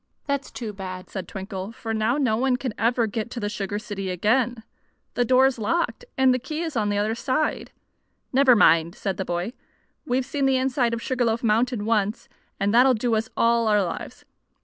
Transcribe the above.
"That's too bad," said Twinkle; "for now no one can ever get to the sugar city again. The door is locked, and the key is on the other side." "Never mind," said the boy. "We've seen the inside of Sugar Loaf Mountain once, and that'll do us all our lives.